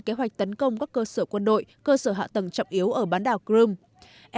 kế hoạch tấn công các cơ sở quân đội cơ sở hạ tầng trọng yếu ở bán đảo crimea